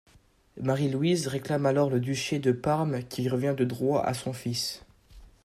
Marie-Louise réclame alors le duché de Parme qui revient de droit à son fils.